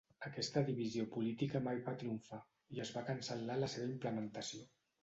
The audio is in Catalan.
Aquesta divisió política mai va triomfar, i es va cancel·lar la seva implementació.